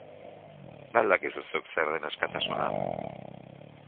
Ba al dakizu zuk zer den askatasuna?